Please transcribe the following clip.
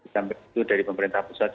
sampai itu dari pemerintah pusat